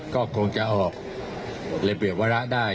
ก็คงจะออกระเบียบวาระได้